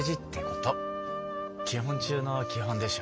基本中の基本でしょ？